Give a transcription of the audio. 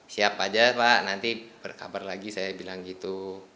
siap aja pak nanti berkabar lagi saya bilang gitu